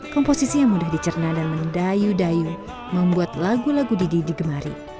komposisi yang mudah dicerna dan mendayu dayu membuat lagu lagu didi digemari